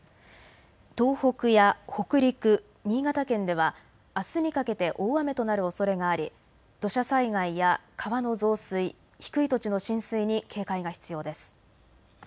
東北や北陸、新潟県ではあすにかけて大雨となるおそれがあり、土砂災害や川の増水、低い土地の浸水に警戒が必要です。